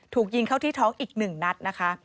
ถูกยิงเข้าที่ท้องอีก๑นัดนะคะ